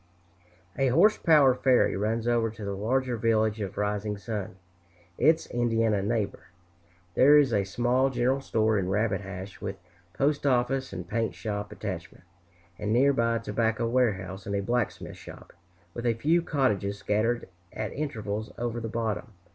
A horse power ferry runs over to the larger village of Rising Sun, its Indiana neighbor. There is a small general store in Rabbit Hash, with postoffice and paint shop attachment, and near by a tobacco warehouse and a blacksmith shop, with a few cottages scattered at intervals over the bottom.